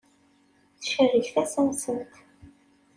Tcerreg tasa-nsent.